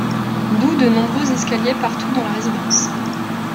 D'où de nombreux escaliers partout dans la résidence.